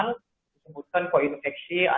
nah cuma disebutkan sebagai flurona